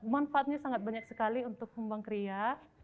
manfaatnya sangat banyak sekali untuk pembangkria